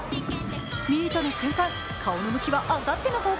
ミートの瞬間、顔の向きはあさっての方向。